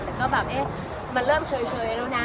แต่ก็แบบเอ๊ะมันเริ่มเฉยแล้วนะ